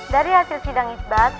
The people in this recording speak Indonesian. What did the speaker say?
dari hasil sidang izbat